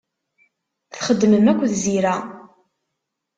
Txeddmem akked Zira.